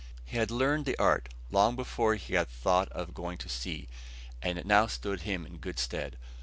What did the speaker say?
He had learnt the art long before he had thought of going to sea; and it now stood him in good stead.